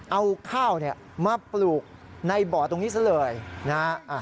เอาข้าวมาปลูกในบ่อตรงนี้ซะเลยนะฮะ